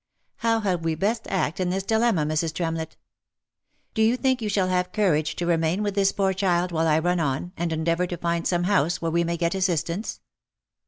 How had we best act in this dilemma, Mrs. Tremlett ? Do you think you shall have courage to remain with this poor child while I run on, and endeavour to find some house where we may get assistance